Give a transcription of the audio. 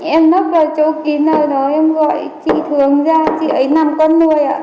em nấp vào chỗ kín nào đó em gọi chị thường ra chị ấy làm con nuôi ạ